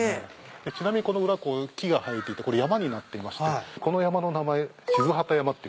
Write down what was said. ちなみにこの裏こう木が生えていて山になっていましてこの山の名前賤機山っていうんです。